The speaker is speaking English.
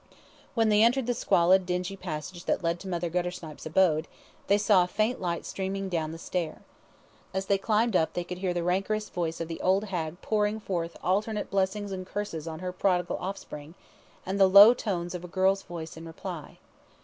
When they entered the squalid, dingy passage that led to Mother Guttersnipe's abode, they saw a faint light streaming down the stair. As they climbed up they could hear the rancorous voice of the old hag pouring forth alternate blessings and curses on her prodigal offspring, and the low tones of a girl's voice in reply.